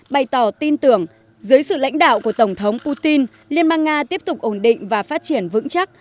bày tỏ tin tưởng dưới sự lãnh đạo của tổng thống putin liên bang nga tiếp tục ổn định và phát triển vững chắc